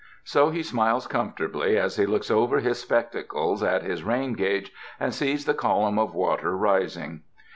So he smiles comfortably as he looks over his spectacles at his rain gauge and sees the column of water rising.